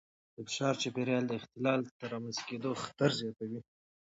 د فشار چاپېریال د اختلال د رامنځته کېدو خطر زیاتوي.